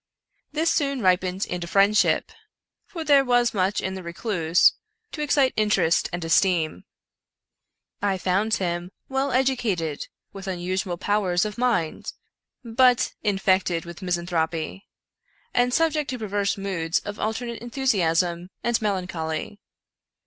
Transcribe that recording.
This soon ripened into friendship — for there was much in the recluse to ex cite interest and esteem. I found him well educated, with unusual powers of mind, but infected with misanthropy, and subject to perverse moods of alternate enthusiasm and melancholy.